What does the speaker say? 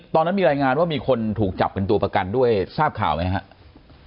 ตอนนั้นมีรายงานว่ามีคนถูกจับเป็นตัวประกันด้วยทราบข่าวไหมครับ